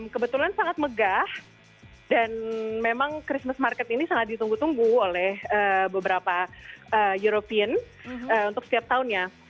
kebetulan sangat megah dan memang christmas market ini sangat ditunggu tunggu oleh beberapa european untuk setiap tahunnya